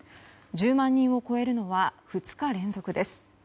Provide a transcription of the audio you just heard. １０万人を超えるのは２日連続です。